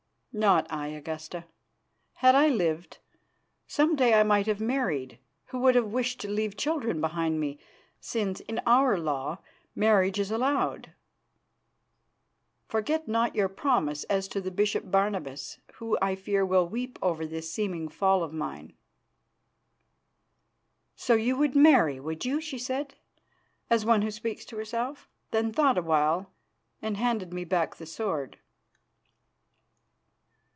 "Not I, Augusta. Had I lived, some day I might have married, who would have wished to leave children behind me, since in our law marriage is allowed. Forget not your promise as to the Bishop Barnabas, who, I fear, will weep over this seeming fall of mine." "So you would marry, would you?" she said, as one who speaks to herself; then thought awhile, and handed me back the sword.